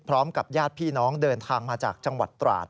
พร้อมกับญาติพี่น้องเดินทางมาจากจังหวัดตราด